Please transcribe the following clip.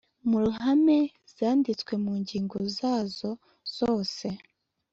mu ruhame zanditse mu ngingo zazo zose